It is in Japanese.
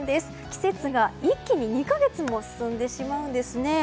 季節が一気に２か月も進んでしまうんですね。